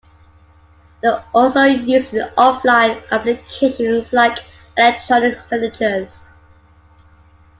They're also used in offline applications, like electronic signatures.